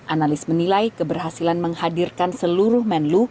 analis menilai keberhasilan menghadirkan seluruh menlu